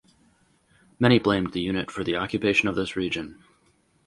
Many blamed the unit for the occupation of this region.